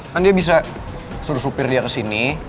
kan dia bisa suruh supir dia kesini